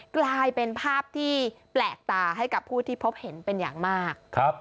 กลายเป็นภาพที่แปลกตาให้กับผู้ที่พบเห็นเป็นอย่างมาก